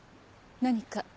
何か？